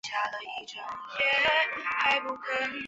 小胸鳍蛇鲻为狗母鱼科蛇鲻属的鱼类。